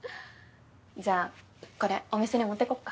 じゃあこれお店に持ってこっか。